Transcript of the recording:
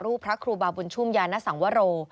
รูปพระครูบามุญชุมยานสังวร